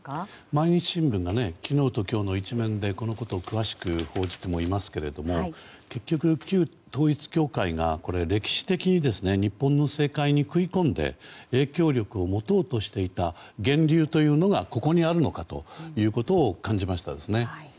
毎日新聞が昨日と今日の１面でこのことを詳しく報じていますけれども結局、旧統一教会が歴史的に日本の政界に食い込んで影響力を持とうとしていた源流というのがここにあるのかということを感じました。